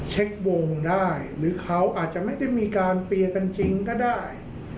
เช็ควงได้หรือเขาอาจจะไม่ได้มีการเปียร์กันจริงก็ได้